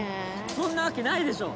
そんなわけないでしょう！